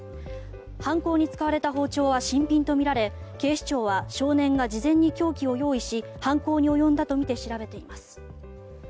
犯行に使われた包丁は新品とみられ警視庁は少年が事前に凶器を用意し犯行に及んだとみて調べています。